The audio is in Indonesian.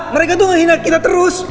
mereka tuh menghina kita terus